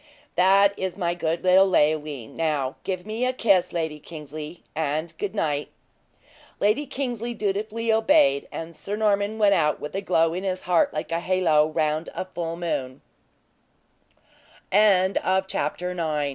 "That is my good little Leoline. Now give me a kiss, Lady Kingsley, and good night." Lady Kingsley dutifully obeyed; and Sir Norman went out with a glow at his heart, like a halo round a full moon. CHAPTER X. THE PAGE, THE FIRES, AND THE FALL.